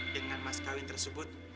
dengan mas kawin tersebut